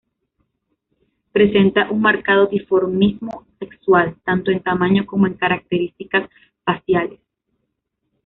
Presenta un marcado dimorfismo sexual, tanto en tamaño como en características faciales.